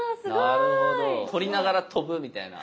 なるほど取りながら飛ぶみたいな。